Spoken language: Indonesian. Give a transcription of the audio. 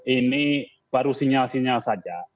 ini baru sinyal sinyal saja